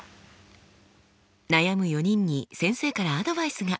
悩む４人に先生からアドバイスが。